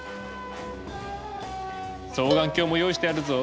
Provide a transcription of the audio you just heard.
双眼鏡も用意してあるぞ。